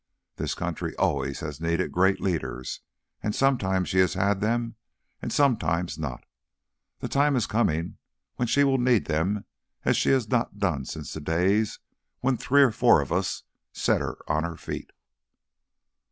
This country always has needed great leaders, and sometimes she has had them and sometimes not. The time is coming when she will need them as she has not done since the days when three or four of us set her on her feet."